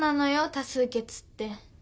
多数決って。